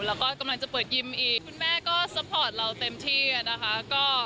แล้วก็กำลังจะเปิดยิมอีกคุณแม่ก็ซัพพอร์ตเราเต็มที่นะคะ